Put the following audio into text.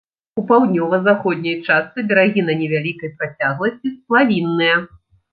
У паўднёва заходняй частцы берагі на невялікай працягласці сплавінныя.